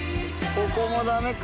ここもダメか。